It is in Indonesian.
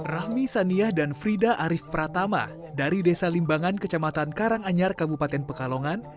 rahmi saniah dan frida arief pratama dari desa limbangan kecamatan karanganyar kabupaten pekalongan